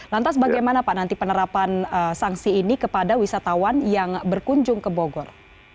lantas bagaimana pak nanti penerapan sanksi ini kepada wisatawan yang berkunjung ke bogor